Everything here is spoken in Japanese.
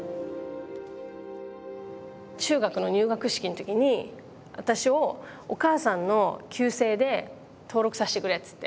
中学の入学式の時に私をお母さんの旧姓で登録さしてくれっつって。